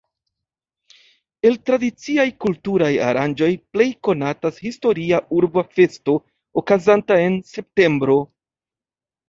El tradiciaj kulturaj aranĝoj plej konatas historia urba festo, okazanta en septembro.